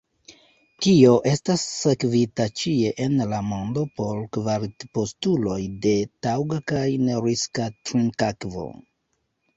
Tio estas sekvita ĉie en la mondo por kvalitpostuloj de taŭga kaj neriska trinkakvo.